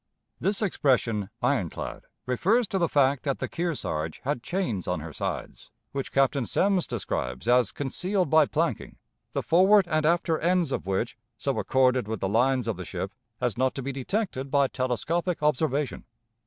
This expression "iron clad" refers to the fact that the Kearsarge had chains on her sides, which Captain Semmes describes as concealed by planking, the forward and after ends of which so accorded with the lines of the ship as not to be detected by telescopic observation.